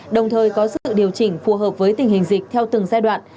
đồng thời có sự điều chỉnh phù hợp với tình hình dịch theo từng giai đoạn